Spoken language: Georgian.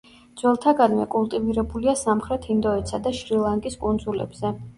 ძველთაგანვე კულტივირებულია სამხრეთ ინდოეთსა და შრი-ლანკის კუნძულებზე.